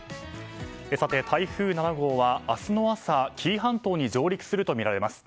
さて台風７号は明日の朝紀伊半島に上陸するとみられます。